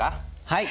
はい。